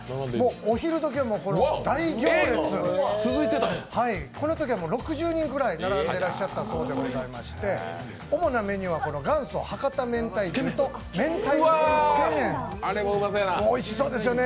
お昼時は大行列、このときは６０人ぐらい並んでらっしゃったそうでございまして、主なメニューはこの元祖博多めんたい重とめんたいつけ麺、おいしそうですよね。